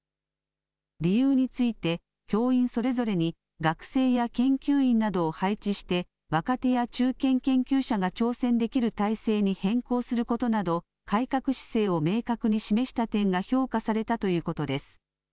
理由について、教員それぞれに学生や研究員などを配置して、若手や中堅研究者が挑戦できる体制に変更することなど、改革姿勢を明確に示した点が評価されたということです。